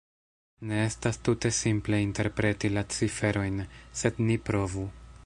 Ne estas tute simple interpreti la ciferojn, sed ni provu.